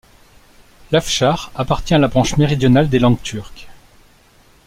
L'afchar appartient à la branche méridionale des langues turques.